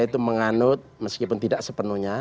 itu menganut meskipun tidak sepenuhnya